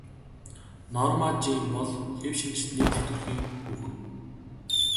Норма Жин бол хэв шинжит нийтлэг төрхийн хүүхэн.